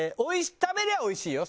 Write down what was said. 食べりゃおいしいよ。